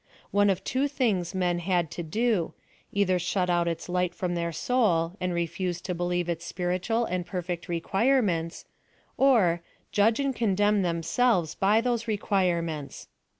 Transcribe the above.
One of two things men had to do, either shut out its light from their soul, and refuse to believe its spiritual an4 peiifect requireinents, or, judge and condemn themselves by those requirements.